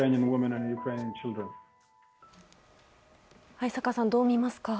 逢坂さん、どう見ますか？